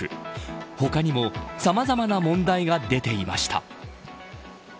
他にもさまざまな問題が出ていました。